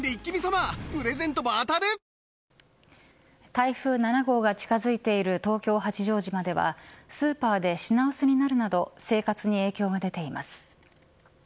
台風７号が近づいている東京・八丈島ではスーパーで品薄になるなど生活に影響が出ています。